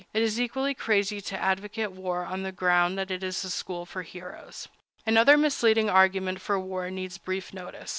It is equally crazy to advocate war on the ground that it is a school for heroes. Another misleading argument for war needs brief notice.